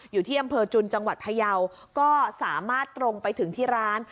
อยู่ที่อำเภอจุนจังหวัดพยาวก็สามารถตรงไปถึงที่ร้าน